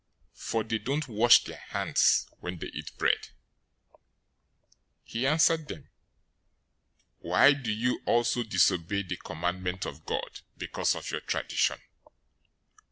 For they don't wash their hands when they eat bread." 015:003 He answered them, "Why do you also disobey the commandment of God because of your tradition?